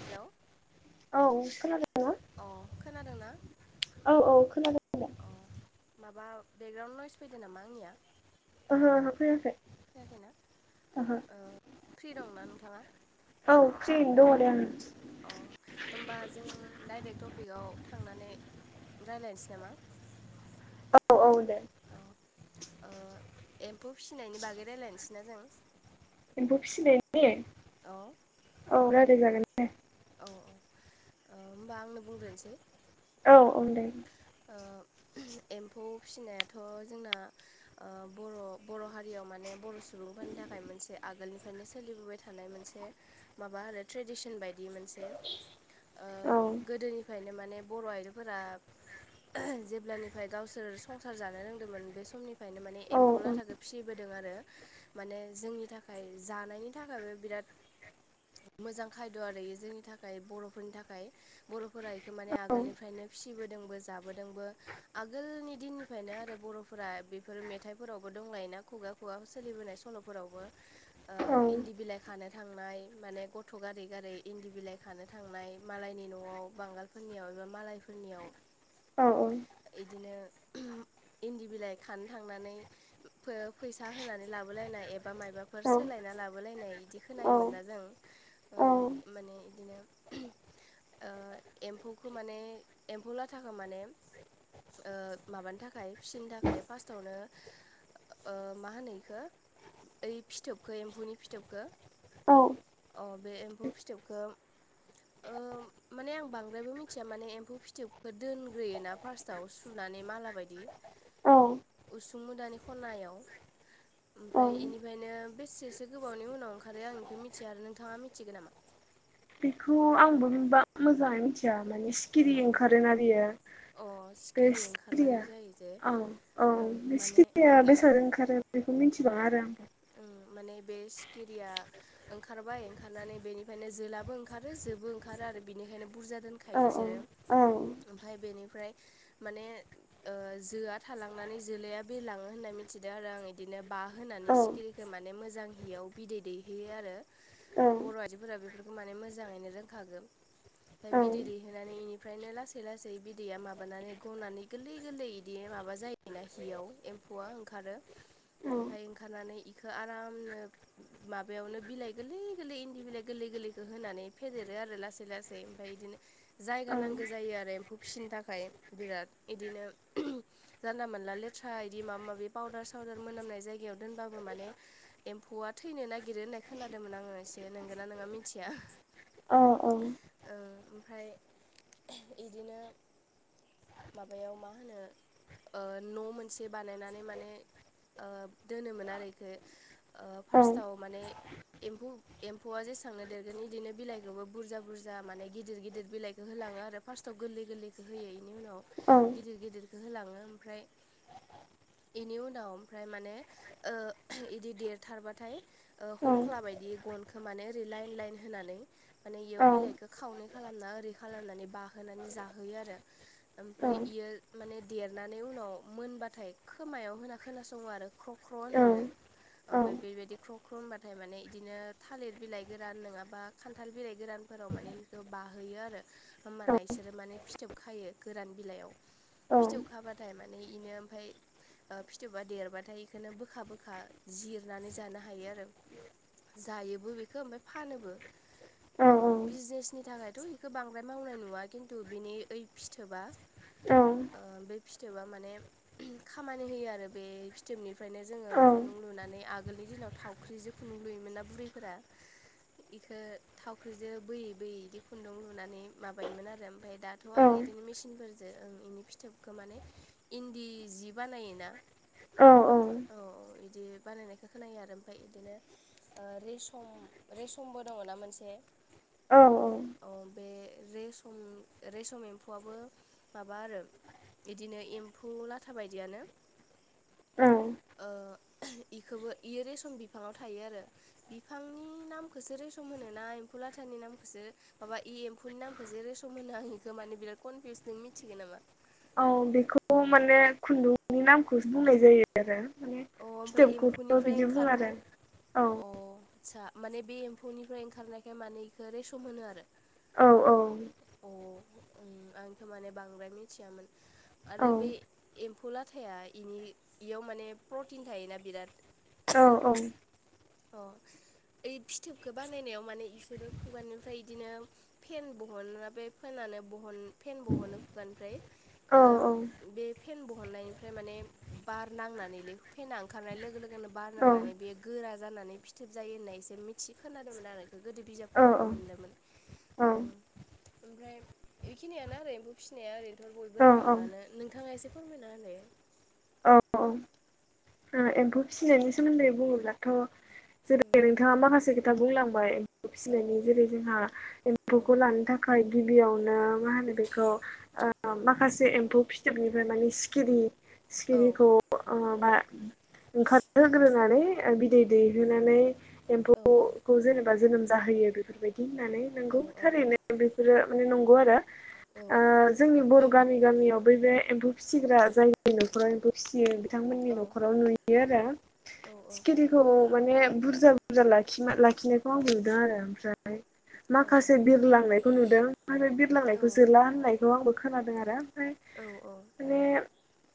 Hello औ खोना [unintelligible] अ खोनादोंना? औ औ खोनादों दा। अ माबा बेकग्राउनड नयस फैदो नामा आंनिया? ओहो ओहो फैयाखै खोनायाखैना? ओहो ओ फ्रि दंना नोंथाङा? औ फ्रियैनो दङ दे आङो। अ होमबा जों डाइरेक टपिकआव थांनानै रायलायनसै नामा? आङो औ दे औ ओ एम्फौ फिसिनायनि बागै रायलायनसैना जों? एम्फौ फिसिनायनि? औ औ रालाय जागोन दे। औ औ। ओ होमबा आंनो बुंग्रोनसै। औ औ दे। ओ एम्फौ फिसिनायाथ' जोंना ओ कबर' बर' हारियाव माने बर' सुबुंफोरनि। थाखाय मोनसे आगोलनिफ्रायनो सोलिबोबाय थानाय मोनसे माबा आरो ट्रेडिसन बाय मोनसे ओ औ गोदोनिफ्रायनो माने बर' आइजोफोरा। जेब्लानिफ्राय गावसोर संसार जानो रोंदोंमोन बे समनि फ्रायनो माने औ एम्फौ लाथाखौ फिसिबोदों आरो माने जोंनि थाखाय जानायनि थाखायबो बिराद। मोजां खायद' आरो जोंनि थाखाय बर'फोरनि थाखाय बर'फोरा इखो माने औ आगोलनिफ्रायनो। फिसिबोदोंबो जाब दोंबो आगोलनि दिननिफ्रायनो आरो बर'फोरा बेफोर मेथाइफोरावबो दंलायोना खुगा खु गा सोलिबोनाय सल'फोरावबो ओ औ इन्दि बिलाइ खानो थांनाय। माने गथ' गारै गारै इन्दि बिलाइ खानो थांनाय मालायनि न'वाव बांगालफोरनियाव एबा मालाय नियाव औ औ। इन्दि बिलाइ खानो थांनानै फैसा होनानै लाबोलायनाय ए बा मायबाफोर सोलायना लाबोलायनाय इदि खोनायोमोना जों। ओ माने बिदिनो। ओ एम्फौखौ माने एम्फौ लाथाखो माने। ओ माबानो थाखाय फिसिनो थाखाय फार्स्टआवनो। ओ मा होनो इखो ओइ फिथोबखो एम्फौनि फिथोबखो। औ औ अ बे एम्फौ फिथोबखो ओ माने आं बांद्रायबो मिथिया माने एम्फौ फिथोबखौ दोन ग्रोयोना फार्स्टआव सुनानै माला बायदि। औ। उसु मुदानि खनायाव औ ओमफ्राय इनिफ्रायनो। बेसेसो गोबावनि उनाव ओंखारो आं बेखौ मिथिया आरो नोंथाङा मिथिगोन नामा? बेखौ आंबोा मोजाङै मिथिया माने सिखिरि अ ओंखारो आरो बियो। अ सिखिरि बेिरिया ओंखारनानै जायो जे औ औ ओं बे माने सथिरिया बेसाद ओंखारो बेखौ मिथि। आराम माने बे सिखिरिया ओंखारबाय ओंखारनानै बेनिफ्रायनो जोलाबो ओंखारो। जोबो ओंखारो आरो बिनिखायनो बुरजा दोनखायो आंबो बिसोरो औ ओमफ्राय बेनिफ्राय। माने जोआ थालांनानै जोलैया बिरलाङो होननानै मिथिदों आरो आं बिदिनो। बा होनानै औ सिखिरिखौ माने मोजां हियाव बिदै दैहैयो आरो औ बर' आइजोफोरा बेफोरखौ माने मोजाङैनो रोंखागोन। औ दमफ्राय बिदै दैहोनानै बेनिफ्रायनो लासै लासै बिदैया माबानानै गनानै गोरलै गोरलै बिदि। माबा जायोना हियाव एम्फौआ ओंखारो ओमफफ्राय ओंखारनानै। बेखौ आरामनो माबायावनो बिलाइ गोरलै गोरलै इन्दि बिलाइ गोरलै गोरलैखौ होनानै फेदेर। ला ज फिसिनो थाखाय बिराद इदिनो जानला मोनला लेथ्रा बिदि माबा माबि पाउदार साव द मोनामनाय जायायाव दोनबाय। आङो माने एम्फौआ थैनो नागिरो होननाय खोनादोंमोन आङो एसे नोंगोनना नोंखौ मिथिया औ औ। ओमफ्राय बिदिनो माबायाव मा होनो। न' मोनसे बानायनानै माने दोनोमोन आरो खौ फार्स्टआव माने। एम्फौ एम्फौआ जेसेबांनो देरगोन बिदिनो बिलाइखौबो बुरजा बुरजा माने गिदिर गिदिर बिलाइखौ होला। फ्ाव गोरलै गै होयो बेनि उनाव गिदिर गिदिर होलाङो ओमफ्राय बेनि उनाव ओमफ्राय माने। इदि देरथारबाथाय हख्ला बायदि गन माने ओरै लाइन लाइन होनानै माने बेयाव बिलाइखौ खावनै खालामना ओरै खालामनानै बाहोनानै। जाहोयो आरो ओमफ्राय बियो माने देरनानै उनाव मोनबाथाय खोमायाव होना खोनासङो आरो क्रख्र' होनोनो ओमफ्राय बेबायदि ख्र' ख्र' होनबाथाय माने बिदिनो थालिर बिलाइ गोरान नङाबा खान्थाल बिलाइ गोरान फोराव माने बेखौ बाहोयो आरो होमबाना बिसोरो माने फिथोब खायो गोरान बिलायाव फिथौखाबाथाय माने बेनो ओमफ्राय फिथौबा देरबाथाय बेखौनो बोखा बो खा जिरनानै जानो हायो आरो जायोबो बेखौ ओमफ्राय फानोबो ओ बिजनेसनि थाखायथ' बेखौ बांद्राय मावनाय नुवा खिन्थु बिनि ओइ फिथोबा ओ बै फिथोबा माने खामानि होयो आरो बे फिथोबनिफ्रायनो जोङो खुन्दुं लुनानै आगोलनि दिनाव थावख्रिजों खुन्दुं लुयोमोन ना बुरैफोरा इखौ थावख्रिजों बोयै बोयै इदि खुन्दुं लुनानै माबायोमोन आरो ओमफ्राय दाथ' आरो बिदिनो मेसिनफोर जो ओं इनि फिथोबखौ माने इन्दि जि बानायोना औ औ बिदि बानायनायखौ खोनायो आरो ओमफफ्राय बिदिनो रेसम रेसमबो दङ ना मोनसे औ औ औ [inaudible] अ बे रेसम रेसम एम्फौआबो माबा आरो बिदिनो एम्फौ लाथा बायदियानो ओ इखौबो इयो रेसम बिफाङाव थायो आरो बिफांनि नामखौसो रेसन होनोना एम्फौ कुलाथानि नामखौसो माबा इ एम्फु नि नामखौसोे रेसम होनो आं बेखौ माने बिराद कनफिउस नों मिथिगोन नामा औ बेखौ माने खुन्दुंनि नामखौसो बुंनाय जायो आरो माने अ ओमफ्राय फिथोबखौथ' एम्फौनिफ्राय बिदि बुङो आरो औ आतसा माने बे एम्फौनिफ्राय ओंखारनायखाय माने बेखौ रेसम होनो आरो औ अ उम आ खो माने बांद्राय मिथियामोन औ आरो बे एम्फौ लाथाया इनि इयाव माने बे प्रटिन थायोना बिराद औ औ औ औ ओइ फिथोबखौ बानायनायाव माने इसोरो खुगानिानिफ्राय बिदिनो फेन बहनो ना बे फेना माने बहन फेन बहनो खुगानिफ्राय औ बे फेन बहननायनिफ्राय माने बार नांनानै ले फेना ओंखारनाय लोगो लोगोनो बे बार नांनानै बे गोरा जानानै फिथोब जायो होननाय इसे मिथि खोनादोंमोन आरो बेखौ गोदो बिजाबफोरावबो मोनदोंमोन औ ओमफ्राय बेखिनियानो आरो एम्फौ फिसिनाया ओरैनोथ' बयबो औ रोंखागोआनो नोंथाङा एसे फोरमायना होलाय [unintelligible] औ औ ओ एम्फौ फिसिनायनि सोमोन्दै बुङोब्लाथ' जेरै नोंथाङा माखासे खोथा बुंलांबाय औ फिसिनायनि जेरै जोंहा औ एम्फौखौ लानो थाखाय गिबियावनो मा होनो बेखौ ओ माखासे एम्फौ फिथोबनिफ्राय माने सिखिरि औ सिरिखौ ओ बा ओंखारहोग्रोनानै बिदै दैहोनानै औ एम्फौखौ जेनेबा जोनोम जाहोयो बेफोरबायदि होननानै औ नोंगौ थारैनो बेफोरो माने नंगौ आरो आ जोंनि बर' गामि गामियाव बै बे एम्फौ फिसिग्रा जायनि न'खराव एम्फौ फिसियो बिथांमोननि औ न'खराव नुयो आरो औ सिखिरिखौ माने बुरजा बुरजा लाखि लाखिनायखौ आं नुदों आरो ओमफ्राय औ अ माखासे बिरलांनायखौ नुदों फ्राय औ अ बिरलांनायखौ जोला होननाय खौ आंबो खोनादों आरो ओमफ्राय अ माने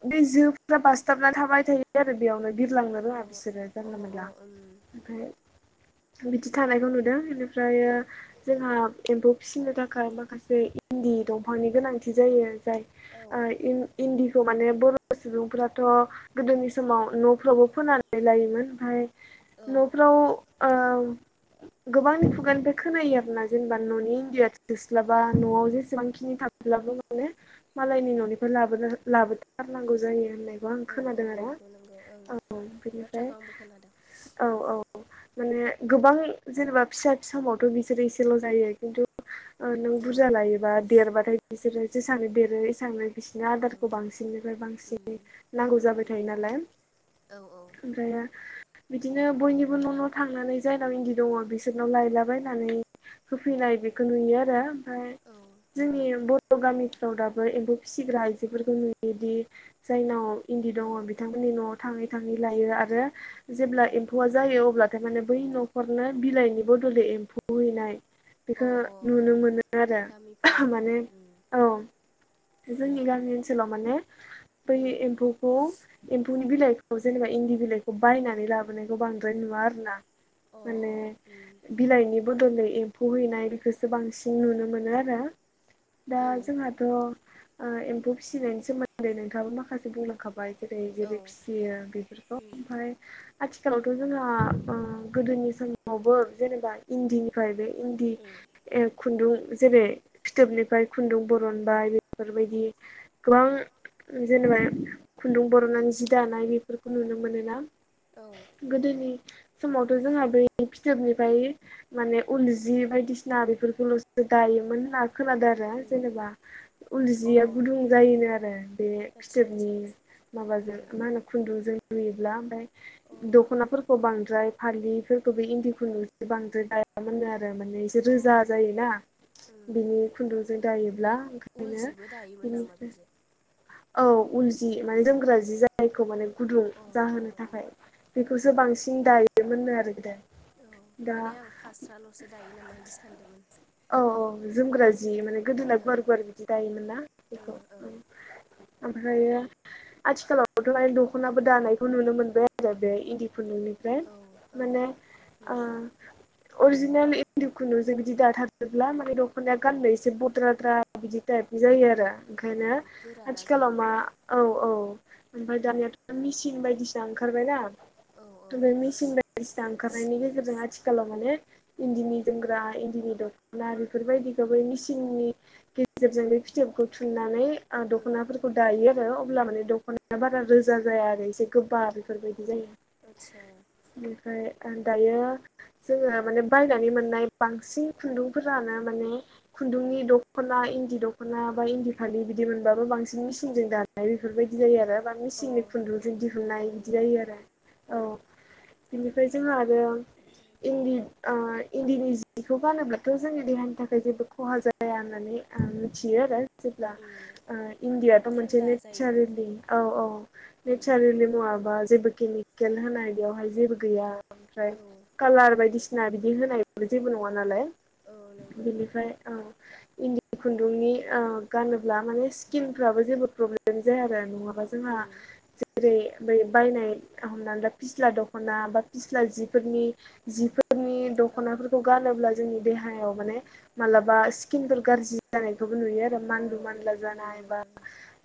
बे जोफ्रा बासथाबनानै थाबाय थायो आरो बेयावनो बिरलांनो रोङा बिसोरो जानला उम मोनला ओमफ्राय बिदि थानायखौ नुदों उम बेनिफ्रायो जोंहा एम्फौ फिसिनो थाखाय माखासे इन्दि दंफांनि गोनांथि जायो। जाय ओ इ- इन्जिनखौ माने गोदोनि बर'सुबुंफोराथ गोदोनि समाव समाव न'फ्रावबो फोनानै लायोमोन ओमफ्राय औ न'फ्राव ओ गोबांनि खुगानिफ्राय खोनायो आरो ना जेनेबा न'नि इण्डिया थोस्लाबा न'आव जेसेबांखिनि थांयो। माब्लाबो माने मालायनि न'निफ्राय लाबोथारनांगौ जायो होननाय आं औ औ खोनादों आरो नंगौ नंगौ ओं औ बे बेनिफ्राय बाथ्राखौ आंबो खोनादों औ औ माने गोबां जेनेबा फिसा फिसा समावथ' बिसोरो एसेल' जायो खिन्थु नों औ बुरजा लायोबा देरबाथाय बिसोरो जेसांनो देरो एसांनो बिसिनि औ उम आदारखौ बांसिननिफ्राय उम बांसिन नांगौ जाबाय थायो उम नालाय औ औ ओमफ्रायो बिदिनो बयनिबो न' न' थांनानै जायनाव इन्दि दङ बिसोरनाव लायलाबायनानै होफैनाय बेखौ नुयो आरो ओमफ्राय औ जोंनि बर' गामिफ्राव दाबो एम्फौ फिसिग्रा आइजोफोरखौ नुयोदि जायनाव उम दं बिथांमोननि न'आव थाङै थाङै लायो आरो जेब्ला एम्फौा जायो अब्ला थारमाने बै न'खरनो बिलाइनि बदलै एम्फौ हैनाय अ बेखौ अ ओं नुनो मोनो आरो गामिफोराव माने उम औ जोंनि गामि ओनसोलाव माने बै उम एम्फौखौ एम्फौनि बिलाइखौ जेनेबा इन्दि बिलाइखौ बायनानै लाबोनायखौ बांद्राय नुवा आरो ना अ उम माने बिलाइनि बदलै एमफौ फौ हैनाय बेखौसो बांसिन नुनो मोनो आरो दा उम जोंहाथ' एम्फौ फिसिनायनि सोमोन्दै नोंथाङाबो माखासे बुंलांखाबाय जेरै औ बोरै फिसियो बेफोरखौ उम ओमफ्राय आथिखालावथ' जोंहा गोदोनि समावबो जेनेबा इन्दिनिफ्राय बे इन्दि उम खुन्दुं जेरै फिथोबनिफ्राय खुन्दुं बरनबाय बेफोरबायदि गोबां गोबां जेनेबा खुन्दुं बर'नानै जि दानाय बेफोरखौ नुनो मोनोना औ गोदोनि समावथ' जोंहा बै फिथोबनिफाय माने उल जि बायदिसिना बेफोरखौल'सो दा योमोन होना खोनादो आरो उम जेनेबा उल अ जिया गुदुं जायोनो आरो बे आतसा फिथोबनि आतसा माजों उम मा होनो खुन्दुंजों। नुयोब्ला ओमफाय अ दखनाफोरखौ बांद्राय फालिफोरखौ बे इन्दि खुन्दुं जे बांद्राय दा यामोन नो आरो माने एसे रोजा जायोना उम बिनि खुन्दुजों दायो ब्ला उल ओंखायनो जिबो दायोमोन नामा बिनिफ्राय बेजों औ उल जि माने अ जोमग्रा जि जायखौ माने गुदुं अ जाहोनो उम थाखाय बेखौसो उम बांसिन दायोमोननो आरो गोदो औ दा माने आं फास्राल'सो दायो नामा इदि सानदोंमोन। औ औ जोमग्रा जि जि माने गोदोना औ गुवार गुवार बिदि दायोमोन ना बिखौ ओ ओं। ओमफ्रायो आथिखालावथ'हाय दख'नाबो दानायखौ नुनो मोनबाय आरो बे इन्दि खुन्दुंनिफ्राय औ ओं माने ओ नुयो अरजिनेल इन्दि खुन्दुंजों बिदि दाथार जोबला माने दख'नाया गाननो एसे बद्राद्रा बिदि टाइपनि जायो आरो। औ ओंखायनो गोरारा आथिखालाव जायोना मा औ औ ओमफाय औ दानियाथ' मिसिं बायदिसि सिना ओंखारबायना औ औ थ' बे मिचिं बायदिसिना ओंखारनायनि गेजेरजों आथि खालाव माने इन्दिनि जोमग्रा इन्दिनि दं ना बेफोरबायदिखौ बै मिसिननि गेजेरजों बे फिथोबखौ थुननानै आं उम दख'नाफोरखौ दायो आरो अब्ला माने दख'नाया बारा रोजा जाया आरो एसे गोबा बेफोरबाय दि आदसा जायो बेनिफ्राय ओ दायो जोङो माने बायनानै मोननाय बांसिन खुन्दुंफोरानो माने खुन्दुंनि दख'ना इन्दि दख'ना बा इन्दि फालि बिदि मोनबाबो बा सिन मिसिंजों दानाय बेफोरबायदि जायो आरो बा अ मिसिंनि ओं खुन्दुंजों दिहुननाय नंगौ बिदि नंगौ जायो आरो उम औ बिनिफाय जोंहा आरो इन्दि ओ इन्दिनि जिखौ गानोब्लाथ' जोंनि देहानि थाखाय जेबो खहा जाया होननानै आ मिथियो आरो जेब्ला उम ओ इण्डियाथ' मोनसे थान्दा जायो न' नेचारेलि औ औ उम नेचारेलि मुवा। आ बा जेबो केमिकेल होनाय बेयावहाय जेबो गैया ओमफ्राय औ कालार बायदिस सिना बिदि होनायबो जेबो नङा नालाय औ नंगौ बिनिफ्राय औ। इन्दि खुन्दुंनि ओ गानोब्ला माने स्किनफ्राबो जेबो प्रब्लेम जाया आरो नङा बा जोंहा उम जेरै बै बायनाय हमनानैला फिस्ला दख'ना बा फिस्ला जिफोरनि जिफो फोरनि दख'नाफोरखौ गानो बा जोंनि देहायाव माने मालाबा स्किनफोर गारजि जानायखौ। नुयो आरो। औ मानलु अ मानला नंगौ जानाय बा नंगौ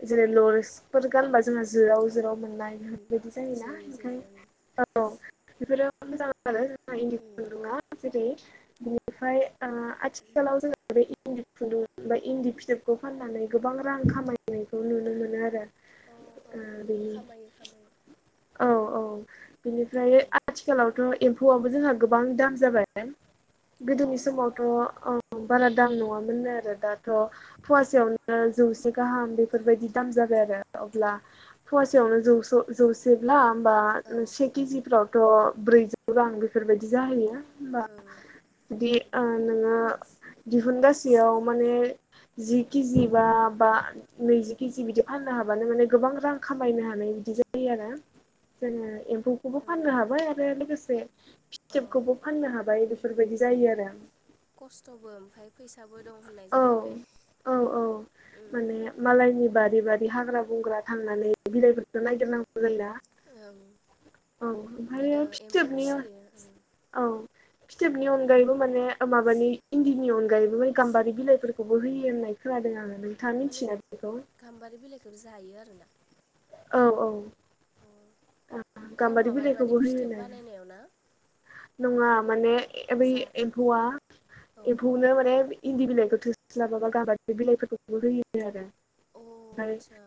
जेरै लरेसफोर गानबा। जोंहा जोराव औ जोराव मोननाय उम बेफोरबायदि जायोना जोयो ओंखाय जोयो उम औ बेफोरो। मोजां आरो जोंहा इन्दि उम खुन्दुङा जेरै बिनिफ्राय आ आथिखालाव जोंङो बे इन्दि खुन्दुं बा इन्दि फिथोबखौ फाननानै गोबां। रां खामायनायखौ नुनो मोनो आरो। अ ओ ओं बिनि खामायो खामायो औ औ नुयो बिनिफ्राय आथिखालावथ'। एम्फौआबो जोंहा गोबां दाम जाबाय अ गोदोनि ओं समावथ' अ बारा दाम नङामोननो आरो दाथ' फवासेयावनो जौसे गाहाम बेफोरबायदि दाम जा जाबाय आरो अब्ला फवासेयावनो जौस' जौसेब्ला। होमबा औ नो से केजिफ्रावथ' ब्रैजौ रां बेफोरबायदि जाहैयो होमबा। ओं बिदि आ नोङो। दिहुनगासेयाव माने जि किजि बा बा नैजि किजि बिदि फाननो। हाबानो माने गोबां रां खामायनो हानाय बिदि जायो आरो। जोङो एम्फौखौबो ओं फाननो हाबाय आरो लोगोसे अ फिथोबखौबो फाननो हाबाय बेफोर दि उम जायो आरो। खस्थ'बो ओमफाय फैसाबो दं होननाय औ जाहैबाय उम। जोंनि बारि बारि हाग्रा बंग्रा थांनानै बिलाइफोरखौ नायगिरनांगौ जायो ना? ओं औ बि ओ ओमफ्राय एम्फौ फिथोबनिया फिसियो उम औ। फिथोबनि अनगायैबो माने माबानि इन्दिनि अनगायैबो माने गाम्बारि बिलाइफोरखौबो होयो होननाय खोनादों आङो नै माने गाम्बारि बिलाइखौबो जायो आरोना। औ औ। अ अ गाम्बारि माबा माने बिलाइखौबो फिथोब होयोना बानायनायाव ना नङा। माने बै जा एम्फौ आं औ एम्फौ नों माने। इन्दि बिलाइखौ थोस्लाबाबा गाबा बिलाइफोरखौबो होयो आरो। अ ओफ्राय आदसा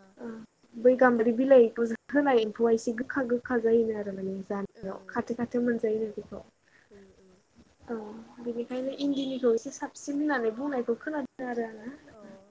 बै। गाम्ब्रि बिलाइखौ होनाय एम्फौआ एसे गोखा गोखा जायो आरो माने। जानायाव उम खाथो खाथो मोनजायोना बेखौ। उम उम औ बेनिखायनो इन्दिनिखौ एसे साबसिन। साबसिन होननानै बुंनायखौ खोनादों आरो आङो। अ